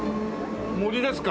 森ですか？